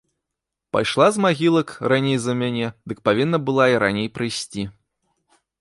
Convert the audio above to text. Пайшла з магілак раней за мяне, дык павінна была і раней прыйсці.